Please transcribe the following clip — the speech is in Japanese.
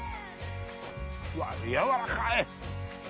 うわぁやわらかい。